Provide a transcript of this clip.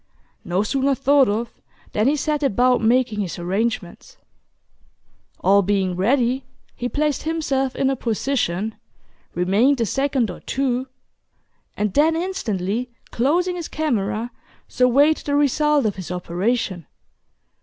No sooner thought of, than he set about making his arrangements. All being ready, he placed himself in a position, remained a second or two, and then instantly closing his camera, surveyed the result of his operation.